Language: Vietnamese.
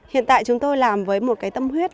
hiện tại chúng tôi làm với một cái tâm huyết